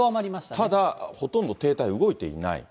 ただ、ほとんど停滞、動いていない。